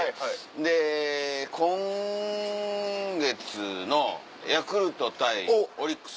で今月のヤクルト対オリックス。